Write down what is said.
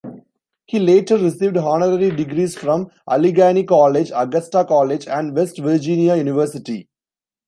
He later received honorary degrees from Alleghany College, Augusta College and West Virginia University.